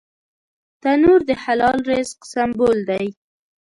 تنور د حلال رزق سمبول دی